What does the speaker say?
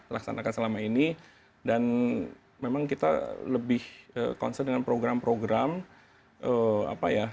laksanakan selama ini dan memang kita lebih concern dengan program program apa ya